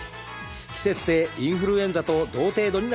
季節性インフルエンザと同程度になります。